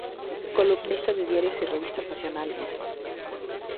Columnista de diarios y revistas nacionales.